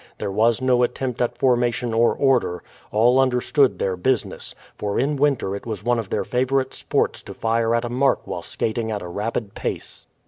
There was no attempt at formation or order; all understood their business, for in winter it was one of their favourite sports to fire at a mark while skating at a rapid pace.